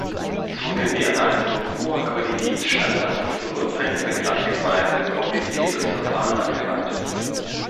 Zur Gewährleistung hoher Qualitätsstandards wird ein vergleichsweise kompliziertes Verfahren angewandt.